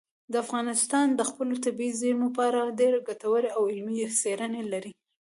افغانستان د خپلو طبیعي زیرمو په اړه ډېرې ګټورې او علمي څېړنې لري.